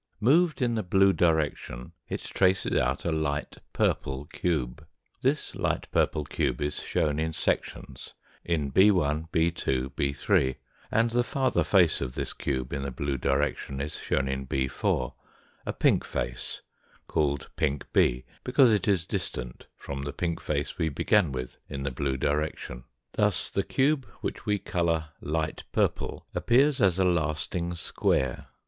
Moved in the blue direction it traces out a light purple cube. This light purple cube is shown in sections in &,, 6 2 , 6 3 , and the farther face of this cube in the blue direction is shown in 6 4 a pink face, called pink b because it is distant from the pink face we began with in the blue direction. Thus the cube which we colour light purple appears as a lasting square.